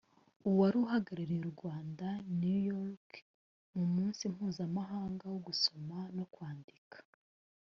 wari uhagarariye u Rwanda I New York mu munsi mpuzamahanga wo gusoma no kwandika